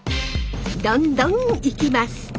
どんどんいきます！